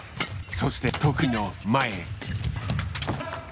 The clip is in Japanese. そして得意の前へ。